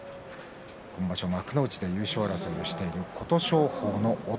今場所、幕内で優勝争いをしている琴勝峰の弟